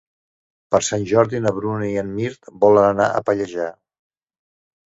Per Sant Jordi na Bruna i en Mirt volen anar a Pallejà.